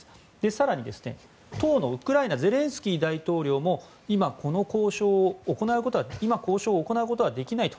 更に、当のウクライナゼレンスキー大統領も今、この交渉を行うことはできないと。